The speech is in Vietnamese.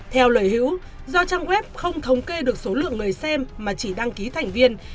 theo lời hữu do trang web không thống kê được số lượng người xem mà chỉ đăng ký thành viên